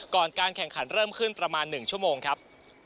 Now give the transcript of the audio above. การแข่งขันเริ่มขึ้นประมาณ๑ชั่วโมงครับ